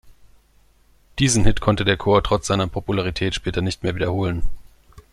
Diesen Hit konnte der Chor trotz seiner Popularität später nicht mehr wiederholen.